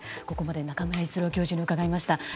ここまで中村逸郎教授に伺いました。